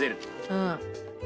うん。